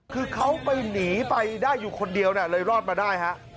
คือเขาไปหนีไปได้อยู่คนเดียวเลยรอดมาได้ฮะ